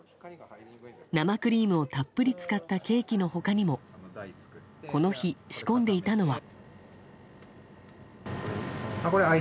生クリームをたっぷり使ったケーキの他にもこの日、仕込んでいたのは。